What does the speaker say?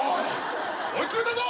追い詰めたぞ！